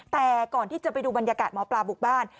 แต่ก่อนที่จะไปดูบรรยากาศหมอปลาบุกบ้าน